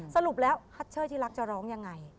สรุปแล้วฮัตเชอร์ที่รักจะร้องยังไง